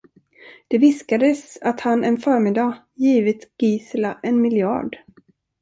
Det viskades att han en förmiddag givit Gisela en miljard.